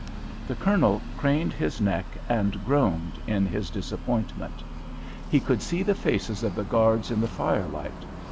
The Colonel craned his neck and groaned in his disappointment. He could see the faces of the guards in the firelight.